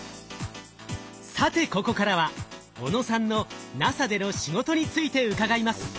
さてここからは小野さんのＮＡＳＡでの仕事について伺います。